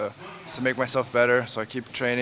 untuk membuat diri saya lebih baik